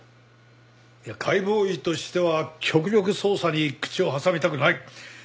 いや解剖医としては極力捜査に口を挟みたくない。